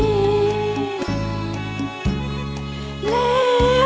ไม่ใช้ค่ะ